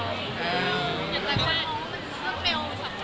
อันนี้ไปถามเขาเองดีกว่ามันเป็นความลับเขา